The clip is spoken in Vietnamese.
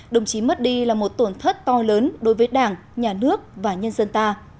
đồng chí mất đi là một tổn thất to lớn đối với đảng nhà nước và nhân dân ta